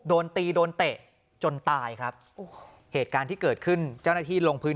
โดนตีโดนเตะจนตายครับโอ้โหเหตุการณ์ที่เกิดขึ้นเจ้าหน้าที่ลงพื้น